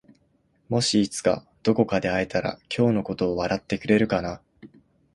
もしいつかどこかで会えたら今日のことを笑ってくれるかな？